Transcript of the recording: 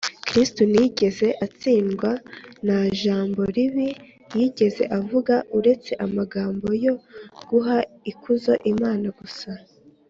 kristo ntiyigeze atsindwa nta jambo ribi yigeze avuga uretse amagambo yo guha ikuzo imana gusa